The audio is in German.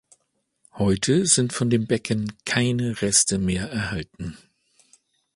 Heute sind von dem Becken keine Reste mehr erhalten.